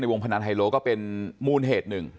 วงพนันไฮโลก็เป็นมูลเหตุหนึ่ง